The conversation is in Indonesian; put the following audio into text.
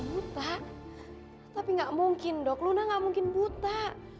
kebutaan tapi nggak mungkin dok luna nggak mungkin buta